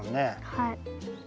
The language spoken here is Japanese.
はい。